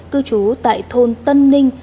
cư trú tại thôn tân ninh